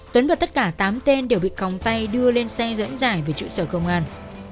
tuấn và tất cả tám tên đều bị còng tay đưa lên xe dẫn giải về trụ sở công an